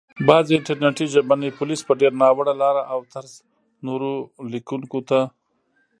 بعضي انټرنټي ژبني پوليس په ډېره ناوړه لاره او طرز نورو ليکونکو ته